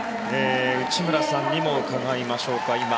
内村さんにも伺いましょうか。